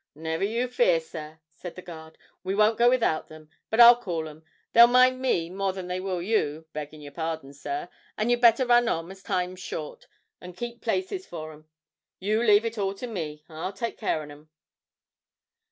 'Never you fear, sir,' said the guard, 'we won't go without them, but I'll call 'em; they'll mind me more than they will you, beggin' your pardon, sir, and you'd better run on, as time's short, and keep places for 'em. You leave it all to me; I'll take care on 'em.'